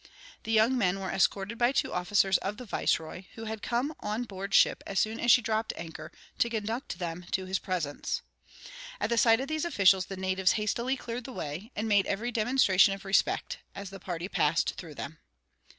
The young men were escorted by two officers of the viceroy, who had come on board ship as soon as she dropped anchor, to conduct them to his presence. At the sight of these officials the natives hastily cleared the way, and made every demonstration of respect, as the party passed through them.